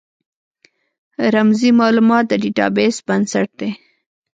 رمزي مالومات د ډیټا بیس بنسټ دی.